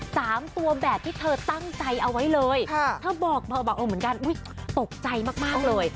สามตัวแบบที่เธอตั้งใจเอาไว้เลยถ้าบอกเหมือนกันอุ๊ยตกใจมากเลย